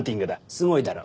すごいだろ？